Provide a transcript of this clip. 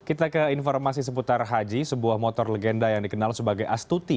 kita ke informasi seputar haji sebuah motor legenda yang dikenal sebagai astuti